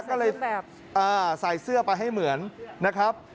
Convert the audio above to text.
ก็เลยใส่เสื้อไปให้เหมือนนะครับ